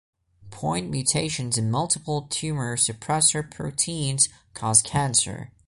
Point mutations in multiple tumor suppressor proteins cause cancer.